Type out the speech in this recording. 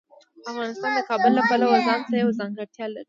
افغانستان د کابل له پلوه ځانته یوه ځانګړتیا لري.